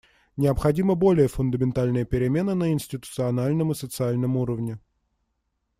Необходимы более фундаментальные перемены на институциональном и социальном уровне.